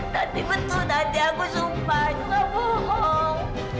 tanti betul tanti aku sumpah jangan bohong